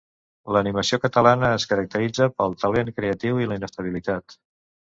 L'animació catalana es caracteritza pel talent creatiu i la inestabilitat.